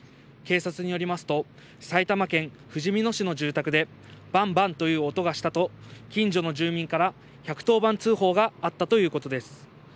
警察によりますと、埼玉県ふじみ野市の住宅でばんばんという音がしたと、近所の住民から１１０番通報があったということです。